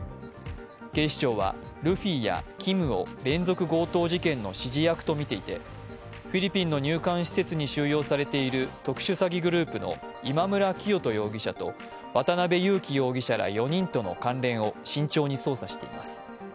警視庁は、ルフィやＫＩＭを連続強盗事件の指示役とみていてフィリピンの入管施設に収容されている特殊詐欺グループの今村磨人容疑者と渡辺優樹容疑者ら４人との関係を慎重に捜査しています。